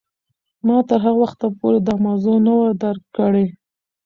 ما تر هغه وخته پورې دا موضوع نه وه درک کړې.